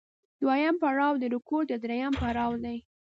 دویم پړاو د رکود یا درېدو پړاو دی